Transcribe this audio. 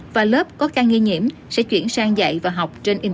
và lớp có ca nghi nhiễm sẽ chuyển sang dạy và học trên internet